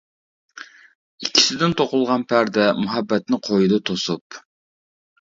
ئىككىسىدىن توقۇلغان پەردە مۇھەببەتنى قويىدۇ توسۇپ.